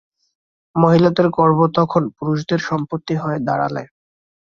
মহিলাদের গর্ভ তখন পুরুষদের সম্পত্তি হয়ে দাঁড়ালো।